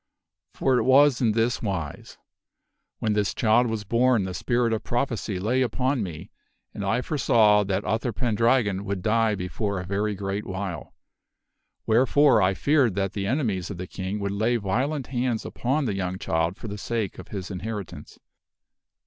For it was in this wise : When this child was born the spirit of prophecy lay upon me and I foresaw that Uther Pendragon would die before a very great while. Wherefore I feared that the enemies of the King would lay violent hands upon the young child for the sake of his inheritance.